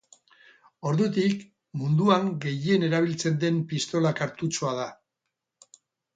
Ordutik, munduan gehien erabiltzen den pistola-kartutxoa da.